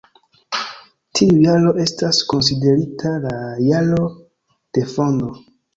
Tiu jaro estas konsiderita la jaro de fondo.